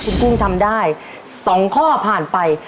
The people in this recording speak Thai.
คุณกุ้งทำได้๒ข้อผ่านไป